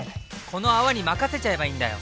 この泡に任せちゃえばいいんだよ！